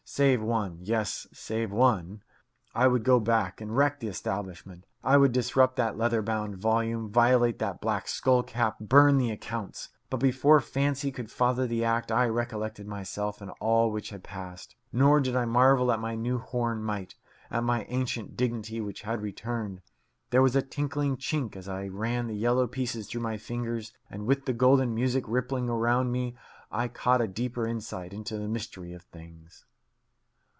Save one yes, save one. I would go back and wreck the establishment. I would disrupt that leather bound volume, violate that black skullcap, burn the accounts. But before fancy could father the act, I recollected myself and all which had passed. Nor did I marvel at my new horn might, at my ancient dignity which had returned. There was a tinkling chink as I ran the yellow pieces through my fingers, and with the golden music rippling round me I caught a deeper insight into the mystery of things.